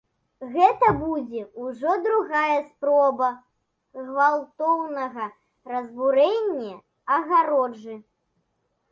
Гэта будзе ўжо другая спроба гвалтоўнага разбурэння агароджы.